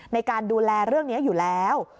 ในการดูแลเรื่องนี้อยู่แล้ว